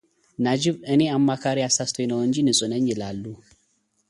ናጂብ እኔ አማካሪዬ አሳስቶኝ ነው እንጂ ንጹህ ነኝ ይላሉ።